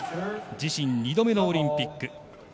自身２度目のオリンピック。